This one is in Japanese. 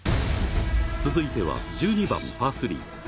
続いては、１２番、パー３。